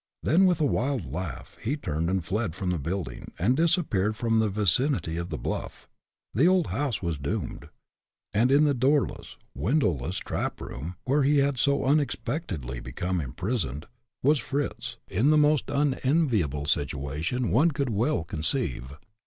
Then, with a wild laugh, he turned and fled from the building, and disappeared from the vicinity of the bluff. The old house was doomed. And in the doorless, windowless trap room, where he had so unexpectedly become imprisoned, was Fritz, in the most unenviable situation one could well conceive.